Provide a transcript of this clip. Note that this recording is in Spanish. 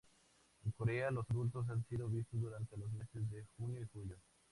En Corea, los adultos han sido vistos durante los meses de junio y julio.